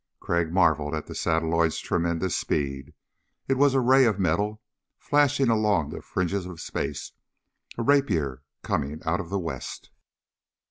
Crag marveled at the satelloid's tremendous speed. It was a ray of metal flashing along the fringes of space, a rapier coming out of the west.